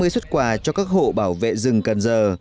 năm mươi xuất quà cho các hộ bảo vệ rừng cần giờ